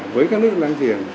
với các nước lan giềng